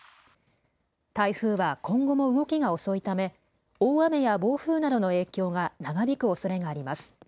台風は今後も動きが遅いため、大雨や暴風などの影響が長引くおそれがあります。